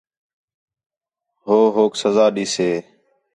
ہو ہوک سزا ݙیسے